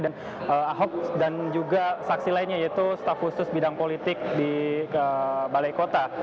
dan ahok dan juga saksi lainnya yaitu staf khusus bidang politik di balai kota